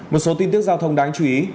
một số tin tức giao thông đáng chú ý